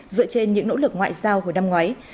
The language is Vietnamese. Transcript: dựa trên những nỗ lực ngoại giao hồi năm ngoái